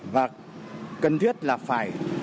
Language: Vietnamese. và cần thiết là phải